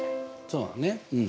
そうだね。